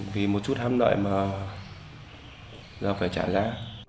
vì một chút hám lợi mà phải trả giá